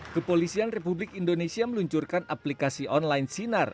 kepolisian republik indonesia meluncurkan aplikasi online sinar